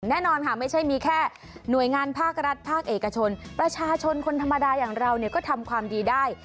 แน่นอนค่ะไม่ใช่มีแค่หน่วยงานภาครัฐภาคเอกชนประชาชนคนธรรมดาอย่างเราก็ทำความดีได้